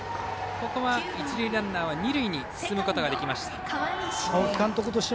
ここは一塁ランナーは二塁に進むことができました。